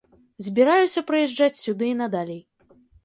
Збіраюся прыязджаць сюды і надалей.